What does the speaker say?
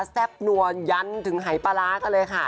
แซ่บนัวยันถึงหายปลาร้ากันเลยค่ะ